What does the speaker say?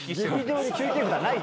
劇場に休憩札ない。